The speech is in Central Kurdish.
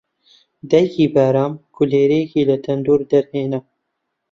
دایکی بارام کولێرەیەکی لە تەندوور دەرهێنا